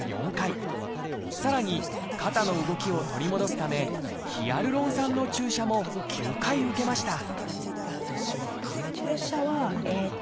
さらに肩の動きを取り戻すためヒアルロン酸の注射も９回受けました